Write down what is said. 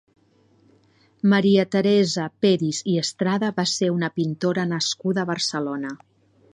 María Teresa Peris i Estrada va ser una pintora nascuda a Barcelona.